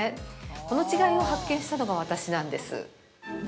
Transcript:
この違いを発見したのが私なんです。